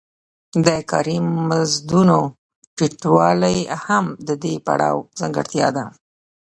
د کاري مزدونو ټیټوالی هم د دې پړاو ځانګړتیا ده